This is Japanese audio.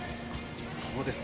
そうですか。